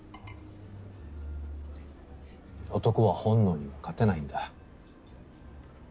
男は本能には勝てないんだ。